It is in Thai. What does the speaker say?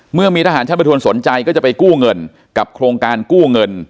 เมื่อมีทหารชั้นประทวนสนใจก็จะไปกู้เงินกับโครงการกู้เงิน